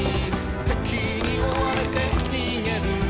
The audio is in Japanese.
「敵に追われて逃げる」